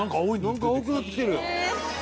「なんか青くなってきてる！」